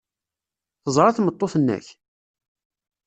Teẓra tmeṭṭut-nnek?